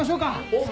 おっ。